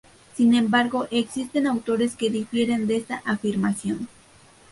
Sin embargo, existen autores que difieren de esta afirmación.